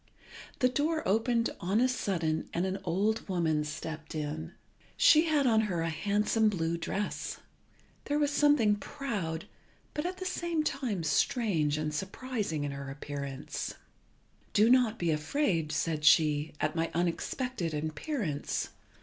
The door opened on a sudden, and an old woman stepped in. She had on her a handsome blue dress. There was something proud, but at the same time strange and surprising in her appearance. "Do not be afraid," said she, "at my unexpected appearance.